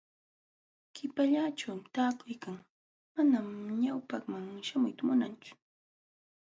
Qipallaćhuumi taakuykan, manam ñawpaqman śhamuyta munanchu.